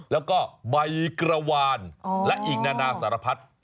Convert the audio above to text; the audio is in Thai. แล้วก็ใบกระวานและอีกนานาสารพัด